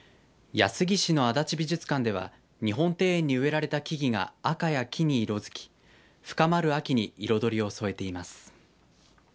安来市の足立美術館では日本庭園に植えられた木々が赤や黄に色づき深まる秋に彩りを添えています。